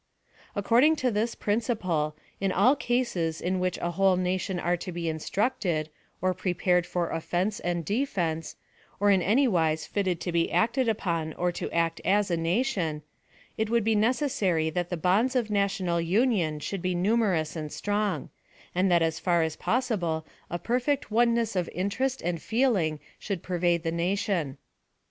According to this principle, in all cases in which a whole nation are to be instructed ; or prepared for offence and defence ; or in any wise fitted to be acted upon, or to act as a nation, it would be neces sary that the bonds of national union should be numerous and strong ; and that as far as possible a perfect oneness of interest and feeling should pervade the nation.